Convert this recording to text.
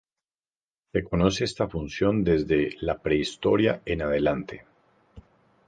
Se conoce esta función desde la prehistoria en adelante.